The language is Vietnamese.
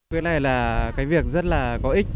cái này là cái việc rất là có ích